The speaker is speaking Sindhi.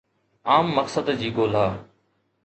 عام مقصد جي ڳولا